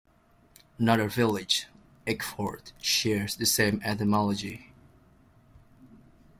Another village, Ickford, shares the same etymology.